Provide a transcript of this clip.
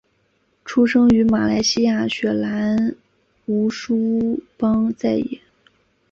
出生于马来西亚雪兰莪梳邦再也。